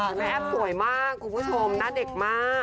แม่แอฟสวยมากคุณผู้ชมหน้าเด็กมาก